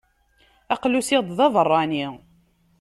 Aql-i usiɣ-d d abeṛṛani.